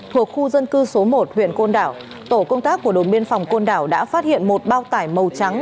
thuộc khu dân cư số một huyện côn đảo tổ công tác của đồn biên phòng côn đảo đã phát hiện một bao tải màu trắng